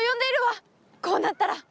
こうなったら！